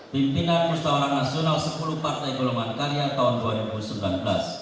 pimpinan pusat nasional sepuluh partai golongan karya tahun dua ribu sembilan belas